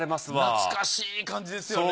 懐かしい感じですよね。